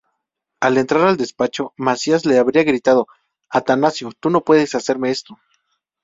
Al entrar al despacho, Macías le habría gritado: "!Atanasio, tu no puedes hacerme esto!".